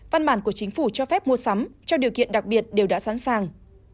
văn bản của chính phủ cho phép mua sắm cho điều kiện đặc biệt đều đã sẵn sàng